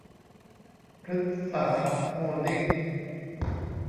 พฤกษา โฮลดิ้ง